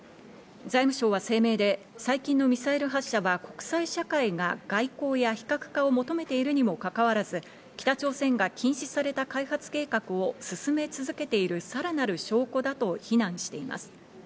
財務省は声明で、最近のミサイル発射は国際社会が外交や非核化を求めているにもかかわらず、北朝鮮が禁止された開発計画を進め続けているさらなる証拠だと非難しています。